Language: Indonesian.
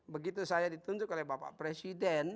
begitu saya ditunjuk oleh bapak presiden